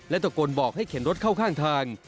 ตะโกนบอกให้เข็นรถเข้าข้างทาง